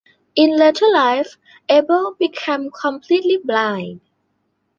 In later life, Abel became completely blind.